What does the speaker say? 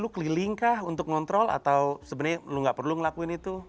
lu keliling kah untuk ngontrol atau sebenarnya lu gak perlu ngelakuin itu